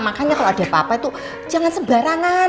makanya kalo ada apa apa itu jangan sembarangan